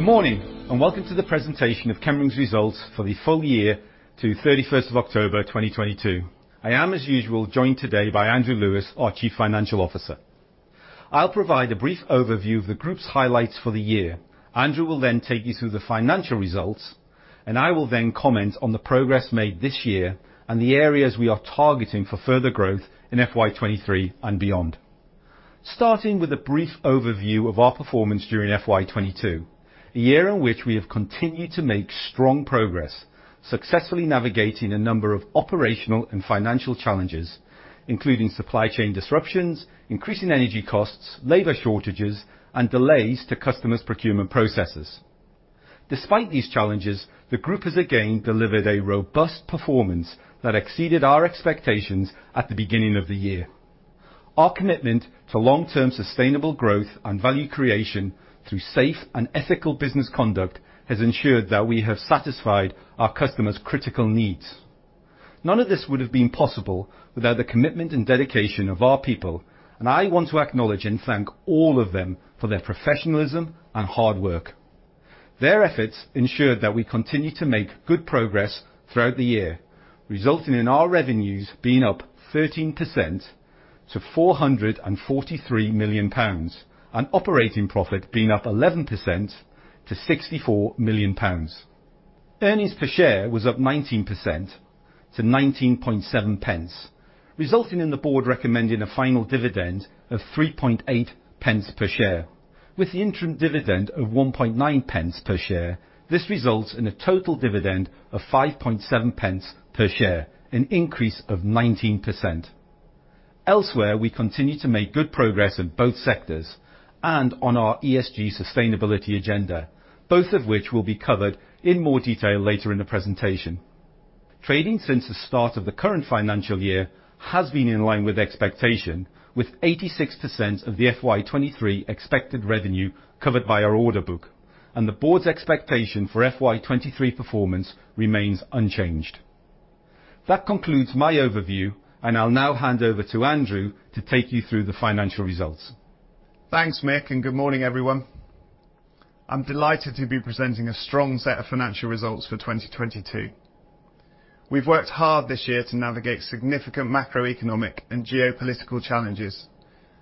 Good morning, welcome to the presentation of Chemring's results for the full year to 31st of October 2022. I am, as usual, joined today by Andrew Lewis, our Chief Financial Officer. I'll provide a brief overview of the group's highlights for the year. Andrew will then take you through the financial results. I will then comment on the progress made this year and the areas we are targeting for further growth in FY 2023 and beyond. Starting with a brief overview of our performance during FY 2022, a year in which we have continued to make strong progress. Successfully navigating a number of operational and financial challenges, including supply chain disruptions, increasing energy costs, labor shortages, and delays to customers' procurement processes. Despite these challenges, the group has again delivered a robust performance that exceeded our expectations at the beginning of the year. Our commitment to long-term sustainable growth and value creation through safe and ethical business conduct has ensured that we have satisfied our customers' critical needs. None of this would have been possible without the commitment and dedication of our people, and I want to acknowledge and thank all of them for their professionalism and hard work. Their efforts ensured that we continue to make good progress throughout the year, resulting in our revenues being up 13% to 443 million pounds. Operating profit being up 11% to 64 million pounds. Earnings per share was up 19% to 0.197, resulting in the board recommending a final dividend of 0.038 per share. With the interim dividend of 1.9 pence per share, this results in a total dividend of 5.7 pence per share, an increase of 19%. Elsewhere, we continue to make good progress in both sectors and on our ESG sustainability agenda, both of which will be covered in more detail later in the presentation. Trading since the start of the current financial year has been in line with expectation, with 86% of the FY23 expected revenue covered by our order book, and the board's expectation for FY23 performance remains unchanged. That concludes my overview, and I'll now hand over to Andrew to take you through the financial results. Thanks, Mick, good morning, everyone. I'm delighted to be presenting a strong set of financial results for 2022. We've worked hard this year to navigate significant macroeconomic and geopolitical challenges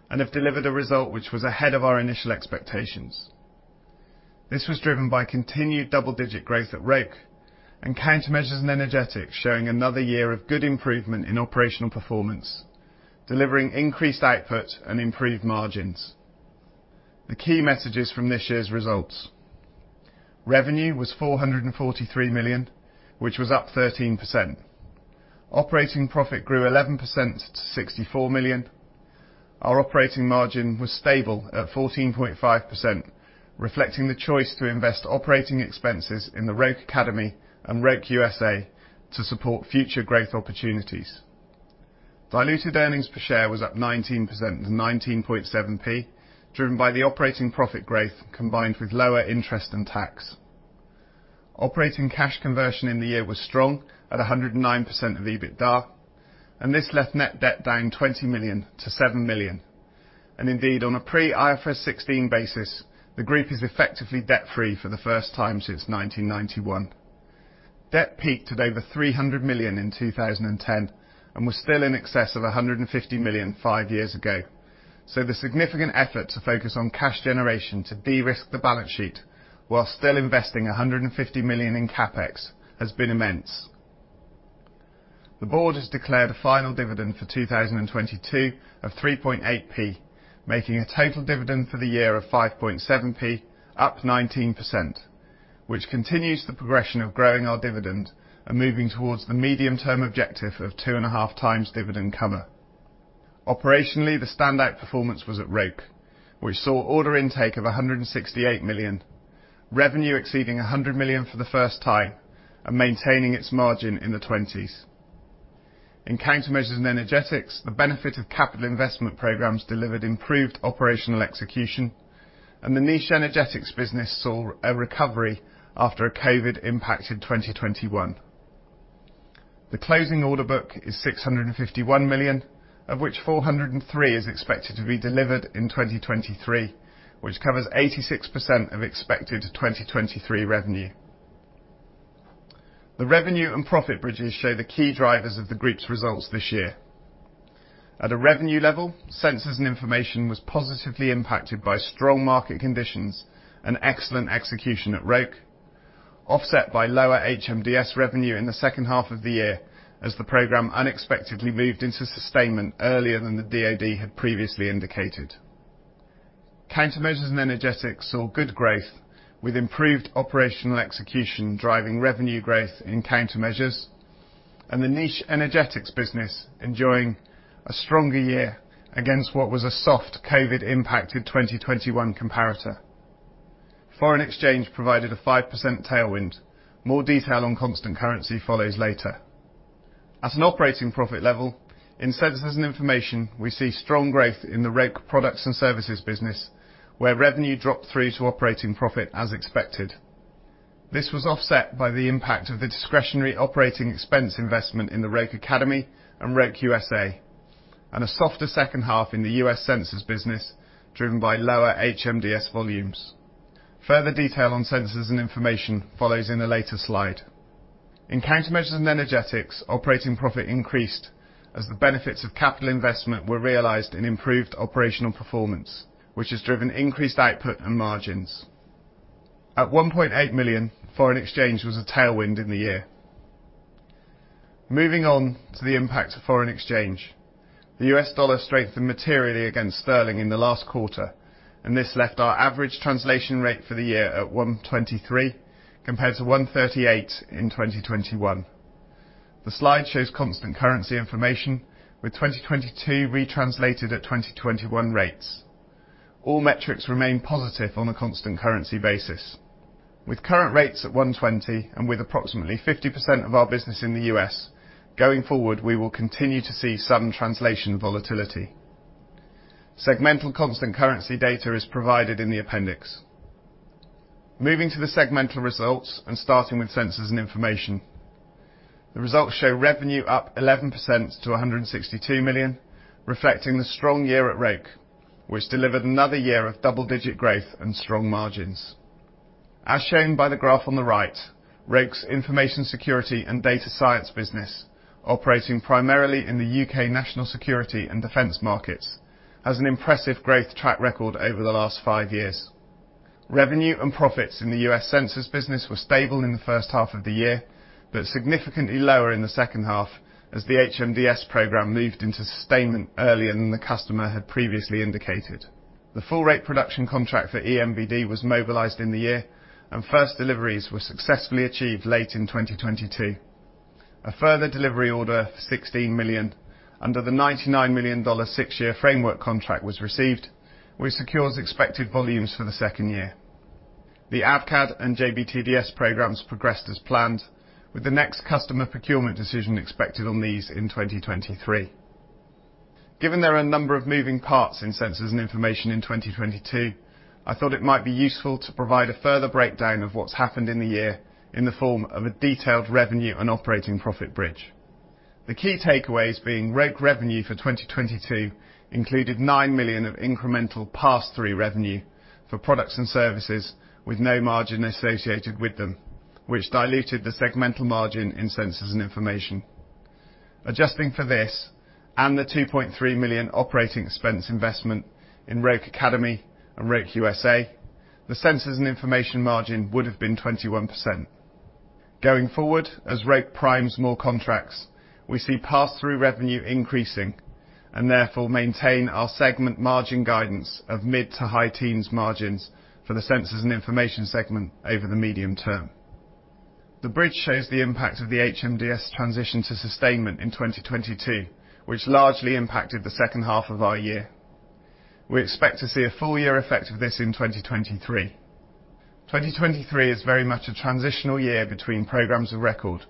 and have delivered a result which was ahead of our initial expectations. This was driven by continued double-digit growth at Roke and countermeasures and energetics showing another year of good improvement in operational performance, delivering increased output and improved margins. The key messages from this year's results. Revenue was 443 million, which was up 13%. Operating profit grew 11% to 64 million. Our operating margin was stable at 14.5%, reflecting the choice to invest operating expenses in the Roke Academy and Roke USA to support future growth opportunities. Diluted earnings per share was up 19% to 0.197, driven by the operating profit growth combined with lower interest and tax. Operating cash conversion in the year was strong at 109% of EBITDA, this left net debt down 20 million to 7 million. Indeed, on a pre IFRS 16 basis, the group is effectively debt-free for the first time since 1991. Debt peaked at over 300 million in 2010 and was still in excess of 150 million five years ago. The significant effort to focus on cash generation to de-risk the balance sheet, while still investing 150 million in CapEx, has been immense. The board has declared a final dividend for 2022 of 3.8p, making a total dividend for the year of 5.7p, up 19%, which continues the progression of growing our dividend and moving towards the medium-term objective of 2.5x dividend cover. Operationally, the standout performance was at Roke, which saw order intake of 168 million, revenue exceeding 100 million for the first time, and maintaining its margin in the 20s. In countermeasures and energetics, the benefit of capital investment programs delivered improved operational execution, and the niche energetics business saw a recovery after a COVID impact in 2021. The closing order book is 651 million, of which 403 million is expected to be delivered in 2023, which covers 86% of expected 2023 revenue. The revenue and profit bridges show the key drivers of the group's results this year. At a revenue level, sensors and information was positively impacted by strong market conditions and excellent execution at Roke, offset by lower HMDS revenue in the second half of the year as the program unexpectedly moved into sustainment earlier than the DoD had previously indicated. Countermeasures and energetics saw good growth, with improved operational execution driving revenue growth in countermeasures, and the niche energetics business enjoying a stronger year against what was a soft COVID impacted 2021 comparator. Foreign exchange provided a 5% tailwind. More detail on constant currency follows later. At an operating profit level, in sensors and information, we see strong growth in the Roke products and services business, where revenue dropped through to operating profit as expected. This was offset by the impact of the discretionary operating expense investment in the Roke Academy and Roke USA, and a softer second half in the US sensors business, driven by lower HMDS volumes. Further detail on sensors and information follows in a later slide. In countermeasures and energetics, operating profit increased as the benefits of capital investment were realized in improved operational performance, which has driven increased output and margins. At 1.8 million, foreign exchange was a tailwind in the year. Moving on to the impact of foreign exchange. The US dollar strengthened materially against sterling in the last quarter, and this left our average translation rate for the year at 1.23, compared to 1.38 in 2021. The slide shows constant currency information, with 2022 retranslated at 2021 rates. All metrics remain positive on a constant currency basis. With current rates at 1.20 and with approximately 50% of our business in the U.S., going forward, we will continue to see some translation volatility. Segmental constant currency data is provided in the appendix. Moving to the segmental results and starting with sensors and information. The results show revenue up 11% to 162 million, reflecting the strong year at Roke, which delivered another year of double-digit growth and strong margins. As shown by the graph on the right, Roke's information security and data science business, operating primarily in the U.K. national security and defense markets, has an impressive growth track record over the last 5 years. Revenue and profits in the U.S. sensors business were stable in the 1st half of the year, but significantly lower in the 2nd half as the HMDS program moved into sustainment earlier than the customer had previously indicated. The full rate production contract for EMBD was mobilized in the year, and 1st deliveries were successfully achieved late in 2022. A further delivery order of $16 million under the $99 million 6-year framework contract was received, which secures expected volumes for the 2nd year. The AVCAD and JBTDS programs progressed as planned, with the next customer procurement decision expected on these in 2023. Given there are a number of moving parts in sensors and information in 2022, I thought it might be useful to provide a further breakdown of what's happened in the year in the form of a detailed revenue and operating profit bridge. The key takeaways being Roke revenue for 2022 included 9 million of incremental pass-through revenue for products and services with no margin associated with them, which diluted the segmental margin in sensors and information. Adjusting for this and the 2.3 million operating expense investment in Roke Academy and Roke USA, the sensors and information margin would have been 21%. Going forward, as Roke primes more contracts, we see pass-through revenue increasing and therefore maintain our segment margin guidance of mid-to-high teens margins for the sensors and information segment over the medium term. The bridge shows the impact of the HMDS transition to sustainment in 2022, which largely impacted the second half of our year. We expect to see a full year effect of this in 2023. 2023 is very much a transitional year between programs of record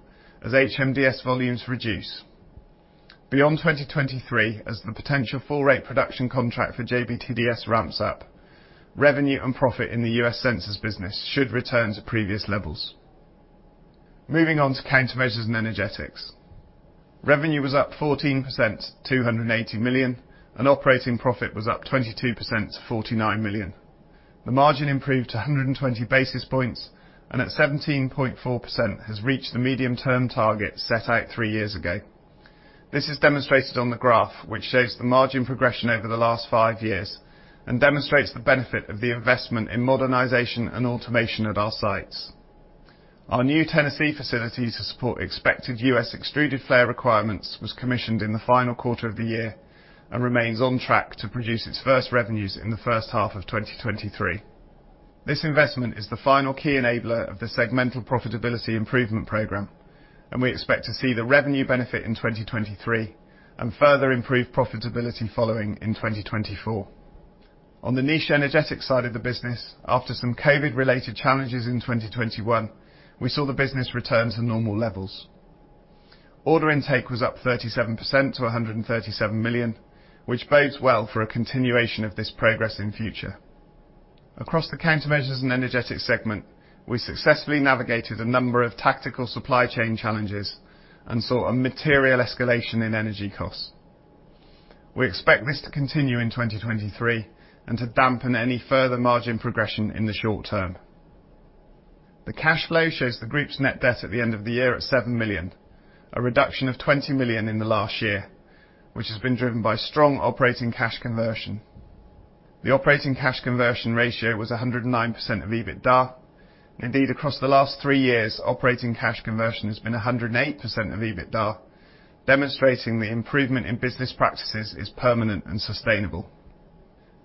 as HMDS volumes reduce. Beyond 2023, as the potential full rate production contract for JBTDS ramps up, revenue and profit in the US sensors business should return to previous levels. Moving on to countermeasures and energetics. Revenue was up 14% to 280 million, and operating profit was up 22% to 49 million. The margin improved to 120 basis points, and at 17.4% has reached the medium-term target set out three years ago. This is demonstrated on the graph, which shows the margin progression over the last 5 years and demonstrates the benefit of the investment in modernization and automation at our sites. Our new Tennessee facilities to support expected U.S. extruded flare requirements was commissioned in the final quarter of the year and remains on track to produce its first revenues in the first half of 2023. This investment is the final key enabler of the segmental profitability improvement program, and we expect to see the revenue benefit in 2023 and further improve profitability following in 2024. On the niche energetics side of the business, after some COVID-related challenges in 2021, we saw the business return to normal levels. Order intake was up 37% to 137 million, which bodes well for a continuation of this progress in future. Across the countermeasures and energetics segment, we successfully navigated a number of tactical supply chain challenges and saw a material escalation in energy costs. We expect this to continue in 2023 and to dampen any further margin progression in the short term. The cash flow shows the group's net debt at the end of the year at 7 million, a reduction of 20 million in the last year, which has been driven by strong operating cash conversion. The operating cash conversion ratio was 109% of EBITDA. Indeed, across the last 3 years, operating cash conversion has been 108% of EBITDA, demonstrating the improvement in business practices is permanent and sustainable.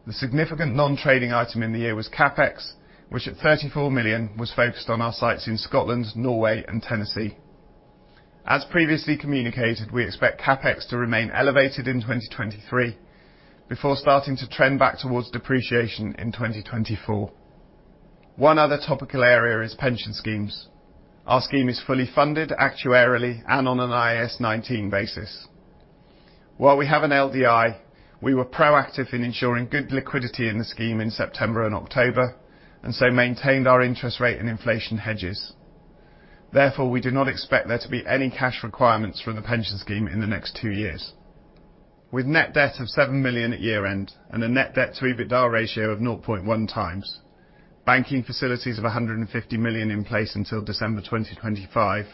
The significant non-trading item in the year was CapEx, which at 34 million was focused on our sites in Scotland, Norway, and Tennessee. As previously communicated, we expect CapEx to remain elevated in 2023 before starting to trend back towards depreciation in 2024. One other topical area is pension schemes. Our scheme is fully funded actuarially and on an IAS 19 basis. While we have an LDI, we were proactive in ensuring good liquidity in the scheme in September and October, and so maintained our interest rate and inflation hedges. Therefore, we do not expect there to be any cash requirements from the pension scheme in the next two years. With net debt of 7 million at year-end and a net debt to EBITDA ratio of 0.1 times, banking facilities of 150 million in place until December 2025,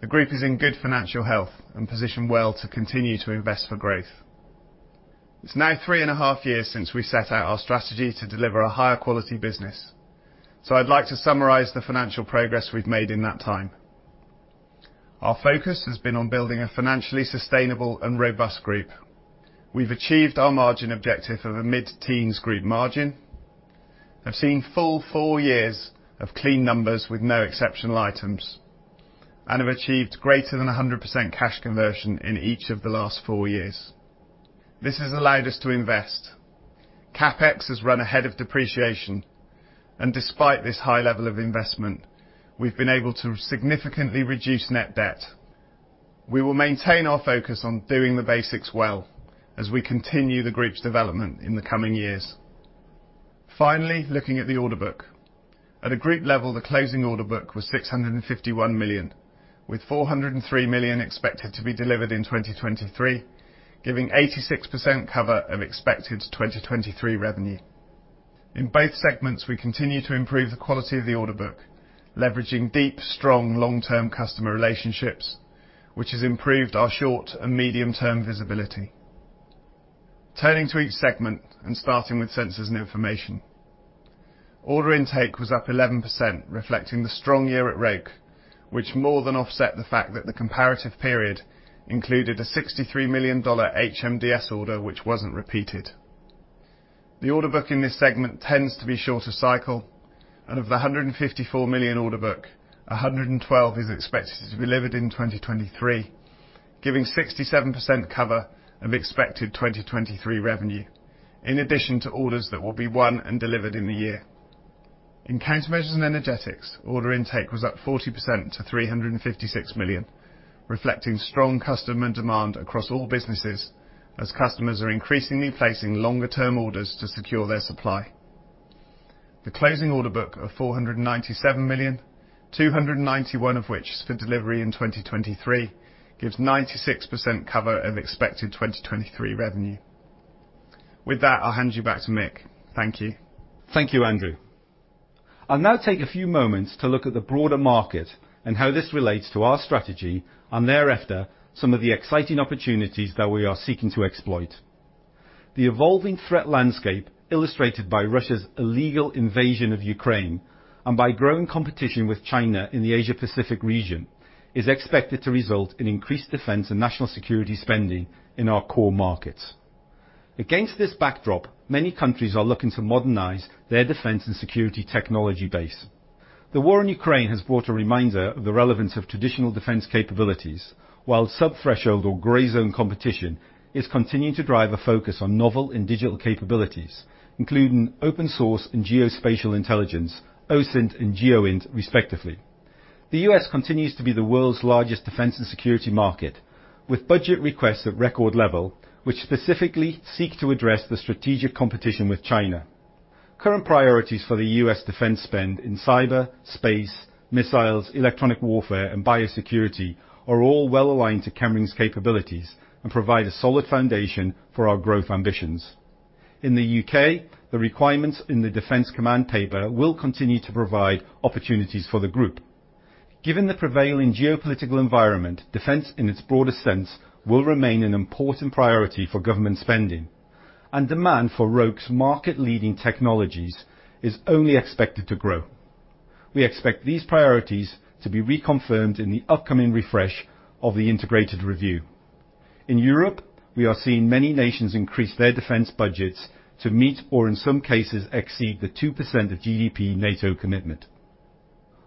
the group is in good financial health and positioned well to continue to invest for growth. It's now three and a half years since we set out our strategy to deliver a higher quality business. I'd like to summarize the financial progress we've made in that time. Our focus has been on building a financially sustainable and robust group. We've achieved our margin objective of a mid-teens group margin. I've seen full four years of clean numbers with no exceptional items, and have achieved greater than 100% cash conversion in each of the last four years. This has allowed us to invest. CapEx has run ahead of depreciation, and despite this high level of investment, we've been able to significantly reduce net debt. We will maintain our focus on doing the basics well as we continue the group's development in the coming years. Finally, looking at the order book. At a group level, the closing order book was 651 million, with 403 million expected to be delivered in 2023, giving 86% cover of expected 2023 revenue. In both segments, we continue to improve the quality of the order book, leveraging deep, strong long-term customer relationships, which has improved our short and medium-term visibility. Turning to each segment and starting with Sensors and Information. Order intake was up 11%, reflecting the strong year at Roke, which more than offset the fact that the comparative period included a $63 million HMDS order which wasn't repeated. The order book in this segment tends to be shorter cycle, and of the 154 million order book, 112 million is expected to be delivered in 2023, giving 67% cover of expected 2023 revenue, in addition to orders that will be won and delivered in the year. In Countermeasures and Energetics, order intake was up 40% to 356 million, reflecting strong customer demand across all businesses as customers are increasingly placing longer term orders to secure their supply. The closing order book of 497 million, 291 million of which is for delivery in 2023, gives 96% cover of expected 2023 revenue. With that, I'll hand you back to Mick. Thank you. Thank you, Andrew. I'll now take a few moments to look at the broader market and how this relates to our strategy and thereafter, some of the exciting opportunities that we are seeking to exploit. The evolving threat landscape illustrated by Russia's illegal invasion of Ukraine and by growing competition with China in the Asia Pacific region, is expected to result in increased defense and national security spending in our core markets. Against this backdrop, many countries are looking to modernize their defense and security technology base. The war in Ukraine has brought a reminder of the relevance of traditional defense capabilities, while sub-threshold or gray zone competition is continuing to drive a focus on novel and digital capabilities, including open source and geospatial intelligence, OSINT and GEOINT, respectively. The US continues to be the world's largest defense and security market, with budget requests at record level, which specifically seek to address the strategic competition with China. Current priorities for the US defense spend in cyber, space, missiles, electronic warfare, and biosecurity are all well-aligned to Chemring's capabilities and provide a solid foundation for our growth ambitions. In the UK, the requirements in the Defence Command Paper will continue to provide opportunities for the group. Given the prevailing geopolitical environment, defense in its broadest sense will remain an important priority for government spending, and demand for Roke's market-leading technologies is only expected to grow. We expect these priorities to be reconfirmed in the upcoming refresh of the Integrated Review. In Europe, we are seeing many nations increase their defense budgets to meet or in some cases, exceed the 2% of GDP NATO commitment.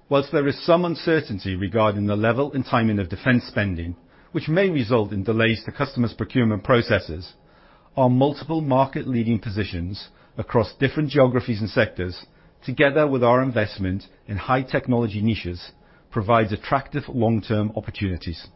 Whilst there is some uncertainty regarding the level and timing of defense spending, which may result in delays to customers procurement processes, our multiple market leading positions across different geographies and sectors, together with our investment in high technology niches, provides attractive long-term opportunities.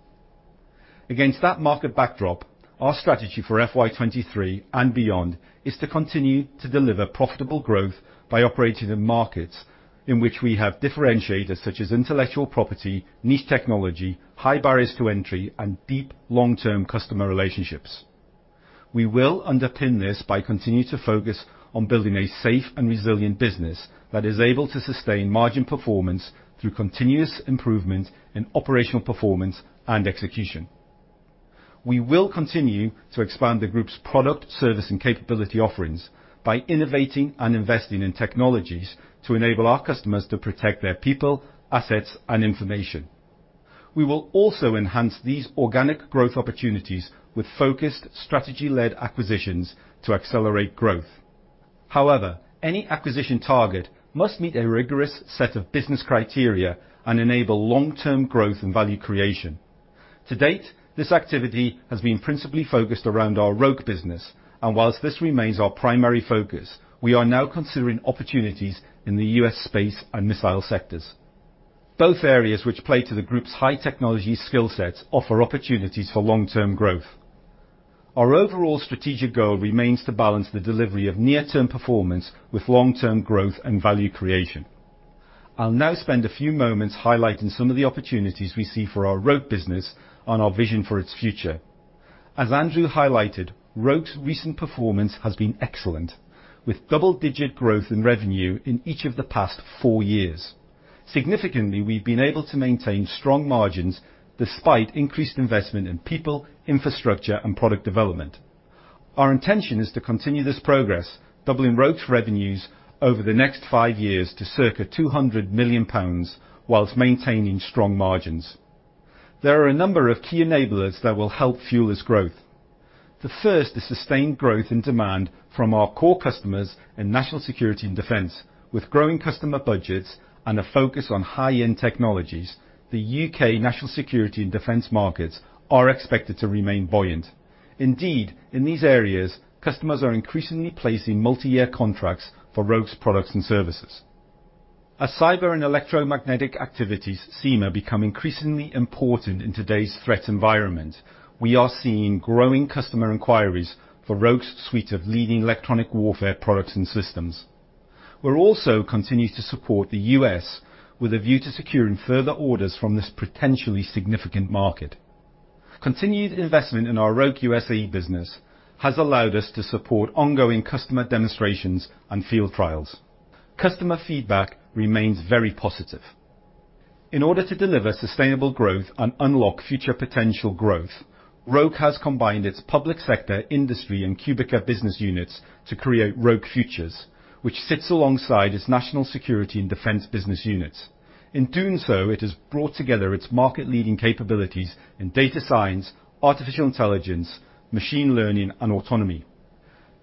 Against that market backdrop, our strategy for FY 23 and beyond is to continue to deliver profitable growth by operating in markets in which we have differentiators such as intellectual property, niche technology, high barriers to entry, and deep long-term customer relationships. We will underpin this by continuing to focus on building a safe and resilient business that is able to sustain margin performance through continuous improvement in operational performance and execution. We will continue to expand the group's product, service, and capability offerings by innovating and investing in technologies to enable our customers to protect their people, assets, and information. We will also enhance these organic growth opportunities with focused strategy-led acquisitions to accelerate growth. Any acquisition target must meet a rigorous set of business criteria and enable long-term growth and value creation. To date, this activity has been principally focused around our Roke business. Whilst this remains our primary focus, we are now considering opportunities in the U.S. space and missile sectors. Both areas which play to the group's high technology skill sets offer opportunities for long-term growth. Our overall strategic goal remains to balance the delivery of near-term performance with long-term growth and value creation. I'll now spend a few moments highlighting some of the opportunities we see for our Roke business and our vision for its future. As Andrew highlighted, Roke's recent performance has been excellent, with double-digit growth in revenue in each of the past four years. Significantly, we've been able to maintain strong margins despite increased investment in people, infrastructure, and product development. Our intention is to continue this progress, doubling Roke's revenues over the next 5 years to circa 200 million pounds whilst maintaining strong margins. There are a number of key enablers that will help fuel this growth. The first is sustained growth and demand from our core customers in National Security and Defense, with growing customer budgets and a focus on high-end technologies. The UK National Security and Defense markets are expected to remain buoyant. In these areas, customers are increasingly placing multi-year contracts for Roke's products and services. As cyber and electromagnetic activities, CEMA, become increasingly important in today's threat environment, we are seeing growing customer inquiries for Roke's suite of leading electronic warfare products and systems. We're also continuing to support the US with a view to securing further orders from this potentially significant market. Continued investment in our Roke USA business has allowed us to support ongoing customer demonstrations and field trials. Customer feedback remains very positive. In order to deliver sustainable growth and unlock future potential growth, Roke has combined its public sector, industry, and Cubica business units to create Roke Futures, which sits alongside its national security and defense business units. In doing so, it has brought together its market-leading capabilities in data science, artificial intelligence, machine learning, and autonomy.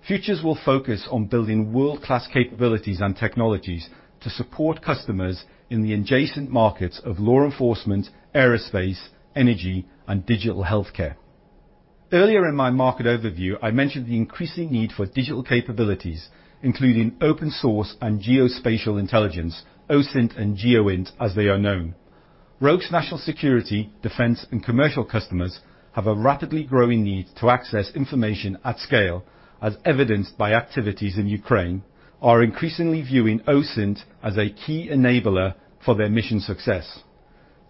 Futures will focus on building world-class capabilities and technologies to support customers in the adjacent markets of law enforcement, aerospace, energy, and digital healthcare. Earlier in my market overview, I mentioned the increasing need for digital capabilities, including open source and geospatial intelligence, OSINT and GEOINT, as they are known. Roke's national security, defense, and commercial customers have a rapidly growing need to access information at scale, as evidenced by activities in Ukraine, are increasingly viewing OSINT as a key enabler for their mission success.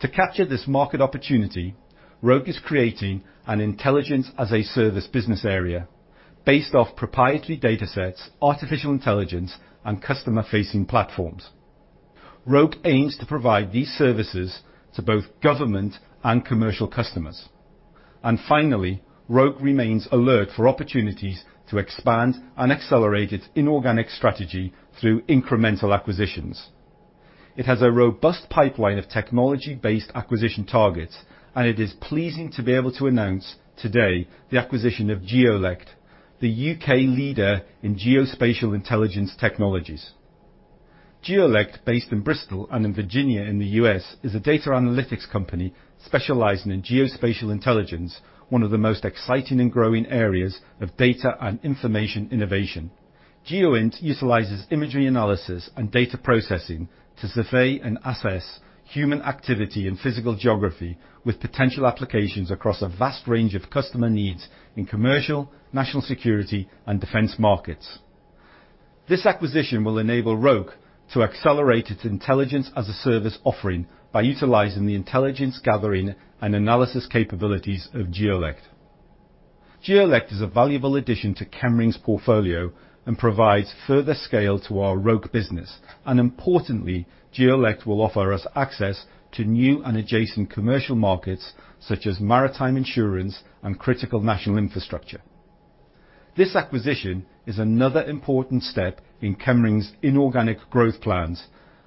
To capture this market opportunity, Roke is creating an Intelligence as a Service business area based off proprietary datasets, artificial intelligence, and customer-facing platforms. Roke aims to provide these services to both government and commercial customers. Finally, Roke remains alert for opportunities to expand and accelerate its inorganic strategy through incremental acquisitions. It has a robust pipeline of technology-based acquisition targets, and it is pleasing to be able to announce today the acquisition of Geollect, the U.K. leader in geospatial intelligence technologies. Geollect, based in Bristol and in Virginia in the U.S., is a data analytics company specializing in geospatial intelligence, one of the most exciting and growing areas of data and information innovation. GEOINT utilizes imagery analysis and data processing to survey and assess human activity and physical geography with potential applications across a vast range of customer needs in commercial, national security, and defense markets. This acquisition will enable Roke to accelerate its intelligence-as-a-service offering by utilizing the intelligence gathering and analysis capabilities of Geollect. Geollect is a valuable addition to Chemring's portfolio and provides further scale to our Roke business. Importantly, Geollect will offer us access to new and adjacent commercial markets such as maritime insurance and critical national infrastructure. This acquisition is another important step in Chemring's inorganic growth plans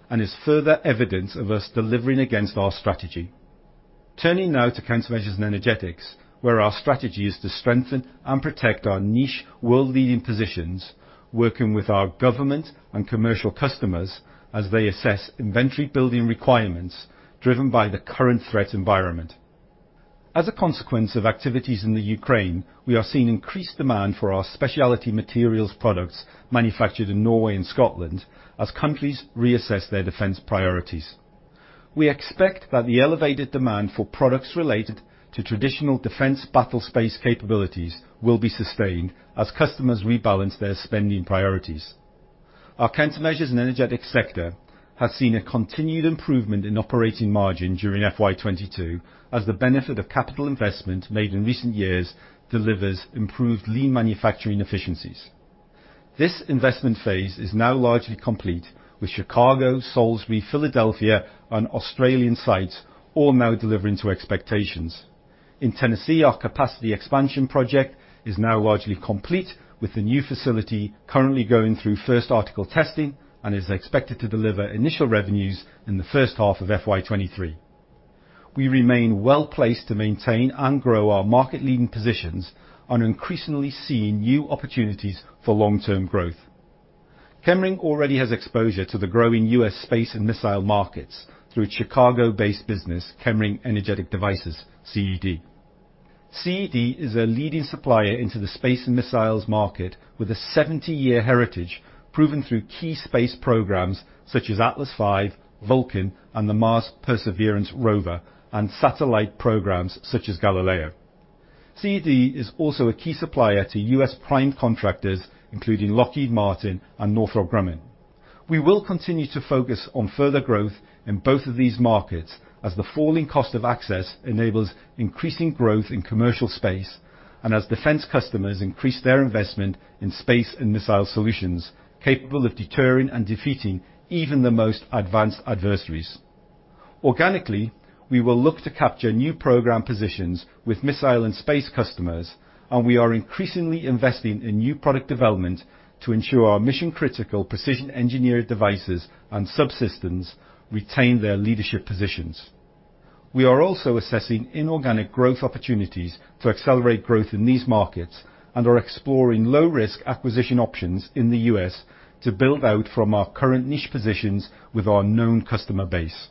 and is further evidence of us delivering against our strategy. Turning now to countermeasures and energetics, where our strategy is to strengthen and protect our niche world-leading positions, working with our government and commercial customers as they assess inventory building requirements driven by the current threat environment. As a consequence of activities in the Ukraine, we are seeing increased demand for our specialty materials products manufactured in Norway and Scotland as countries reassess their defense priorities. We expect that the elevated demand for products related to traditional defense battle space capabilities will be sustained as customers rebalance their spending priorities. Our countermeasures and energetics sector has seen a continued improvement in operating margin during FY 2022, as the benefit of capital investment made in recent years delivers improved lean manufacturing efficiencies. This investment phase is now largely complete with Chicago, Salisbury, Philadelphia, and Australian sites all now delivering to expectations. In Tennessee, our capacity expansion project is now largely complete with the new facility currently going through first article testing and is expected to deliver initial revenues in the first half of FY 2023. We remain well-placed to maintain and grow our market-leading positions and are increasingly seeing new opportunities for long-term growth. Chemring already has exposure to the growing US space and missile markets through Chicago-based business, Chemring Energetic Devices, CED. CED is a leading supplier into the space and missiles market with a 70-year heritage, proven through key space programs such as Atlas V, Vulcan, and the Mars Perseverance Rover, and satellite programs such as Galileo. CED is also a key supplier to US prime contractors, including Lockheed Martin and Northrop Grumman. We will continue to focus on further growth in both of these markets as the falling cost of access enables increasing growth in commercial space and as defense customers increase their investment in space and missile solutions, capable of deterring and defeating even the most advanced adversaries. Organically, we will look to capture new program positions with missile and space customers, and we are increasingly investing in new product development to ensure our mission-critical precision engineered devices and subsystems retain their leadership positions. We are also assessing inorganic growth opportunities to accelerate growth in these markets and are exploring low risk acquisition options in the U.S. to build out from our current niche positions with our known customer base.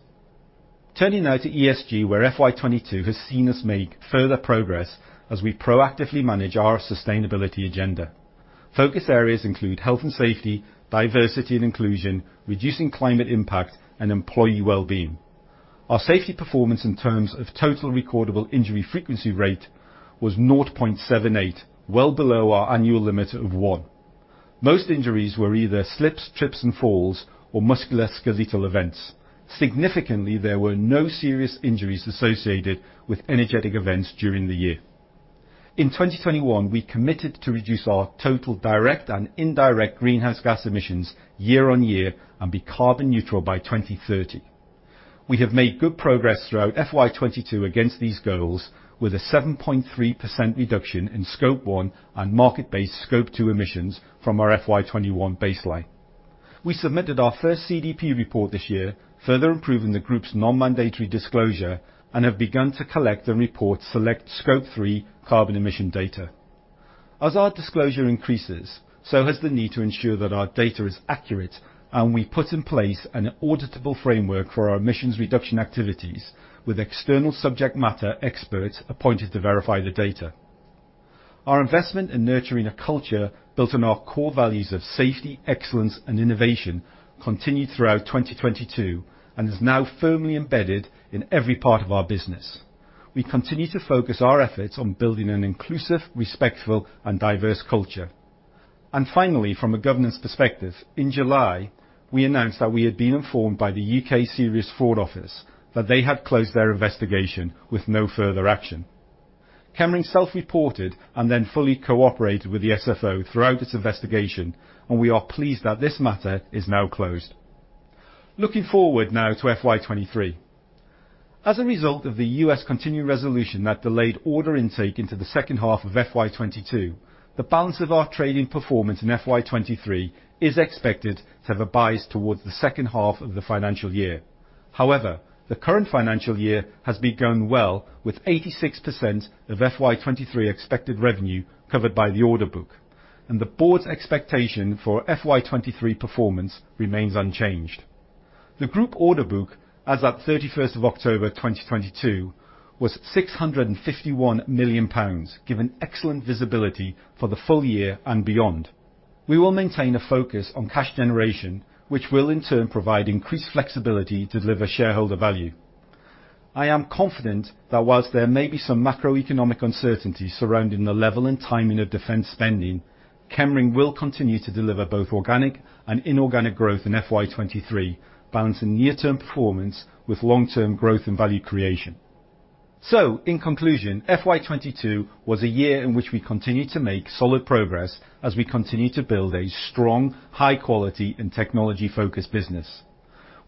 Turning now to ESG, where FY 2022 has seen us make further progress as we proactively manage our sustainability agenda. Focus areas include health and safety, diversity and inclusion, reducing climate impact and employee wellbeing. Our safety performance in terms of total recordable injury frequency rate was 0.78, well below our annual limit of 1. Most injuries were either slips, trips and falls or musculoskeletal events. Significantly, there were no serious injuries associated with energetic events during the year. In 2021, we committed to reduce our total direct and indirect greenhouse gas emissions year on year and be carbon neutral by 2030. We have made good progress throughout FY22 against these goals with a 7.3% reduction in Scope 1 and market-based Scope 2 emissions from our FY21 baseline. We submitted our first CDP report this year, further improving the group's non-mandatory disclosure and have begun to collect and report select Scope 3 carbon emission data. As our disclosure increases, so has the need to ensure that our data is accurate and we put in place an auditable framework for our emissions reduction activities with external subject matter experts appointed to verify the data. Our investment in nurturing a culture built on our core values of safety, excellence, and innovation continued throughout 2022 and is now firmly embedded in every part of our business. We continue to focus our efforts on building an inclusive, respectful, and diverse culture. Finally, from a governance perspective, in July, we announced that we had been informed by the UK Serious Fraud Office that they had closed their investigation with no further action. Chemring self-reported and then fully cooperated with the SFO throughout its investigation, and we are pleased that this matter is now closed. Looking forward now to FY 23. As a result of the U.S. continuing resolution that delayed order intake into the second half of FY 22, the balance of our trading performance in FY 23 is expected to have a bias towards the second half of the financial year. However, the current financial year has begun well, with 86% of FY 2023 expected revenue covered by the order book, and the board's expectation for FY 2023 performance remains unchanged. The group order book as at 31st of October, 2022, was 651 million pounds, giving excellent visibility for the full year and beyond. We will maintain a focus on cash generation, which will in turn provide increased flexibility to deliver shareholder value. I am confident that whilst there may be some macroeconomic uncertainty surrounding the level and timing of defense spending, Chemring will continue to deliver both organic and inorganic growth in FY 2023, balancing near-term performance with long-term growth and value creation. In conclusion, FY 2022 was a year in which we continued to make solid progress as we continue to build a strong, high quality and technology focused business.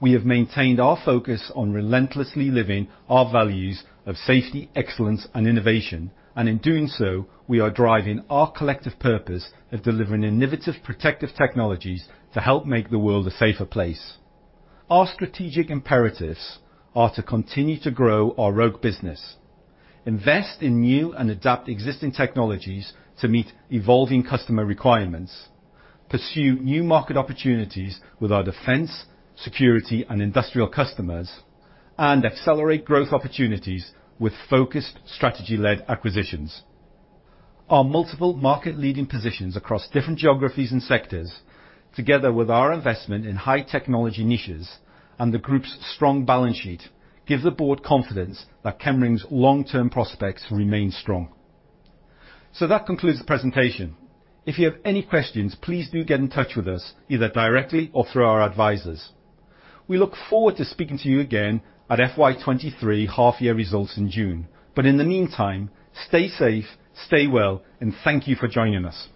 We have maintained our focus on relentlessly living our values of safety, excellence, and innovation, and in doing so, we are driving our collective purpose of delivering innovative protective technologies to help make the world a safer place. Our strategic imperatives are to continue to grow our Roke business, invest in new and adapt existing technologies to meet evolving customer requirements, pursue new market opportunities with our defense, security, and industrial customers, and accelerate growth opportunities with focused strategy-led acquisitions. Our multiple market leading positions across different geographies and sectors, together with our investment in high technology niches and the group's strong balance sheet, give the board confidence that Chemring's long-term prospects remain strong. That concludes the presentation. If you have any questions, please do get in touch with us either directly or through our advisors. We look forward to speaking to you again at FY 2023 half year results in June. In the meantime, stay safe, stay well, and thank you for joining us.